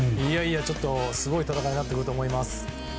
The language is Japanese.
すごい戦いになってくると思います。